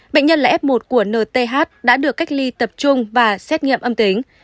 bệnh nhân là f một của nth đã được cách ly tập trung và xét nghiệm âm tính